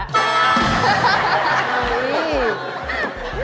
ขอบคุณครับ